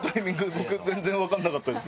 僕全然わかんなかったです。